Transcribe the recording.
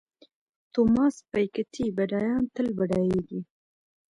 توماس پیکیټي بډایان تل بډایېږي.